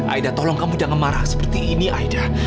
aida tolong kamu jangan marah seperti ini aida